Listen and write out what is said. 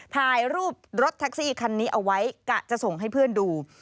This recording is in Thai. ถ่ายรูปรถแท็กซี่คันนี้เอาไว้กะจะส่งให้เพื่อนดู